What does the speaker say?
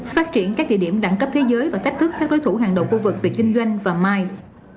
phát triển các địa điểm đẳng cấp thế giới và thách thức các đối thủ hàng đầu khu vực về kinh doanh và miles